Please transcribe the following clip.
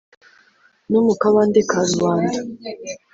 No mu kabande ka rubanda.